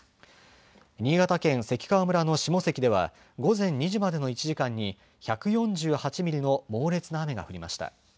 新潟県関川村の下関では午前２時までの１時間に１４８ミリの猛烈な雨が降りました。